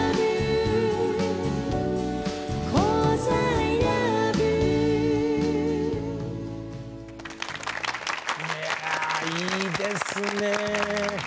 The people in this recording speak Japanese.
いやいいですね！